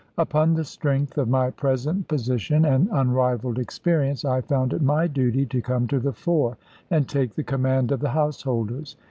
Upon the strength of my present position, and unrivalled experience, I found it my duty to come to the fore, and take the command of the householders.